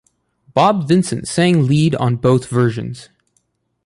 Bob Vincent sang lead on both versions.